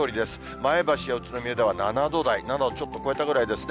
前橋や宇都宮では７度台、７度ちょっと超えたぐらいですね